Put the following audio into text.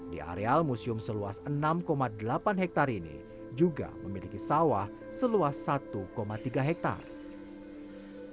di areal museum seluas enam delapan hektare ini juga memiliki sawah seluas satu tiga hektare